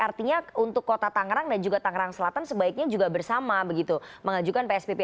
artinya untuk kota tangerang dan juga tangerang selatan sebaiknya juga bersama begitu mengajukan psbb